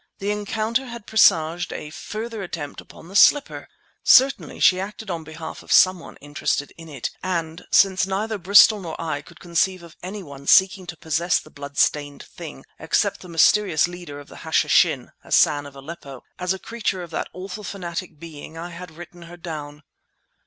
The encounter had presaged a further attempt upon the slipper! Certainly she acted on behalf of someone interested in it; and since neither Bristol nor I could conceive of any one seeking to possess the bloodstained thing except the mysterious leader of the Hashishin—Hassan of Aleppo—as a creature of that awful fanatic being I had written her down.